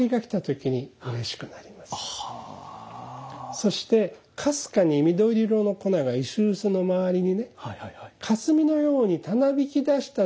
そしてかすかに緑色の粉が石臼の周りにねかすみのようにたなびきだした瞬間に次の喜びがあります。